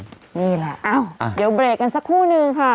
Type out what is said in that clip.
นี่แหละอ้าวเดี๋ยวเบรกกันสักครู่นึงค่ะ